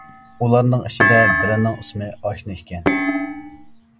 ئۇلارنىڭ ئىچىدە بىرىنىڭ ئىسمى ئاشنا ئىكەن.